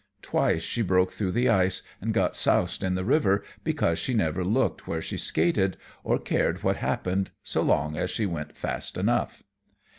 Twice she broke through the ice and got soused in the river because she never looked where she skated or cared what happened so long as she went fast enough.